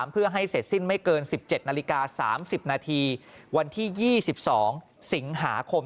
เพื่อให้เสร็จสิ้นไม่เกิน๑๗นาฬิกา๓๐นาทีวันที่๒๒สิงหาคม